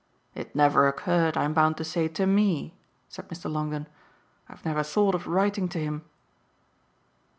"It never occurred, I'm bound to say, to ME," said Mr. Longdon. "I've never thought of writing to him."